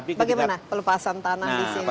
bagaimana pelepasan tanah disini